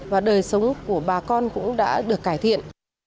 và đời sống của bà con cũng đã được cải thiện